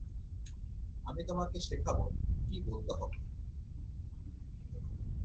আমি তোমাকে শেখাব, কী বলতে হবে।